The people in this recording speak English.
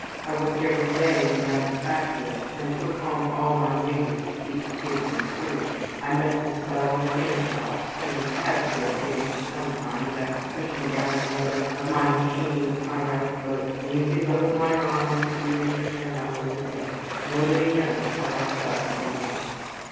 I worked every day in Blank's factory and took home all my wages to keep the kids in school. I met this fellow in a dance hall. I just had to go to dances sometimes after pushing down the lever of my machine with my right foot and using both my arms feeding it for ten hours a day nobody knows how I felt some nights.